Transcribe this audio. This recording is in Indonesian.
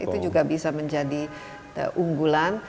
itu juga bisa menjadi unggulan